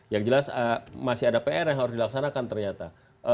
yang jelas masih ada pr yang harus dilaksanakan ternyata